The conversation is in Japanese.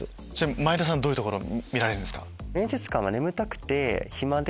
前田さんどういうところを見られるんですか？